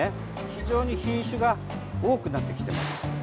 非常に品種が多くなってきています。